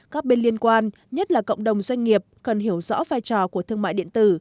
các bên liên quan nhất là cộng đồng doanh nghiệp cần hiểu rõ vai trò của thương mại điện tử